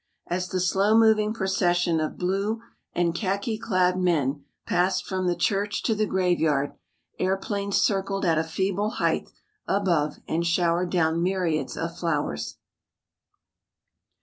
As the slow moving procession of blue and khaki clad men passed from the church to the graveyard, airplanes circled at a feeble height above and showered down myriads of flowers.